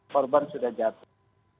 korban sudah jatuh